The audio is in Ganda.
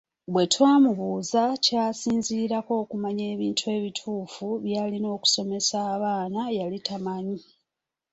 Bwe twamubuuza ky’asinziirako okumanya ebintu ebituufu by’alina okusomesa abaana yali tamanyi.